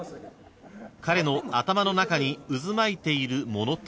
［彼の頭の中に渦巻いているものとは］